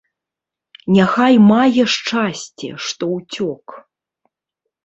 Няхай мае шчасце, што ўцёк.